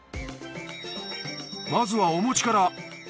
まずはお餅から。